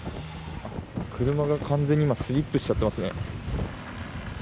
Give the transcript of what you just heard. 車が完全に今スリップしちゃってますね。